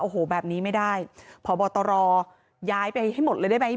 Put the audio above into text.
โอ้โหแบบนี้ไม่ได้พบตรย้ายไปให้หมดเลยได้ไหม